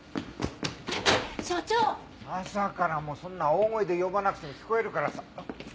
朝からもうそんな大声で呼ばなくても聞こえるからさ。